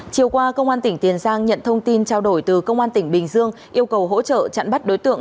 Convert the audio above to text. chiều qua công an tỉnh tiền giang nhận thông tin trao đổi từ công an tỉnh bình dương yêu cầu hỗ trợ chặn bắt đối tượng